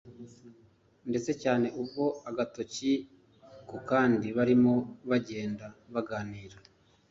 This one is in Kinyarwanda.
ndetse cyane ubwo agatoki kukandi barimo bagenda baganira